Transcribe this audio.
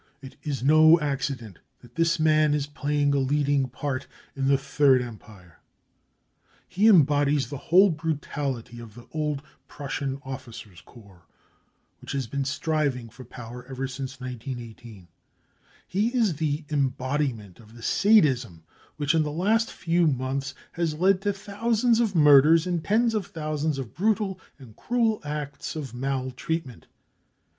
It is no accident that this man is playing a leading part in the Third Empire. He embodies the whole brutality of the old Prussian officers 9 corps, which has been striving for power ever since 1918. He is the embodiment of the sadism which in the last few months has led to thousands of murders and tens of thousands of brutal and cruel acts of maltreatment.